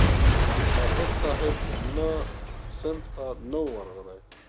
حافظ صاحب نه صنف ته نه وو راغلى.